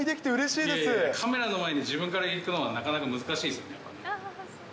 いやいやいや、カメラの前に自分から行くのはなかなか難しいですよね、やっぱり。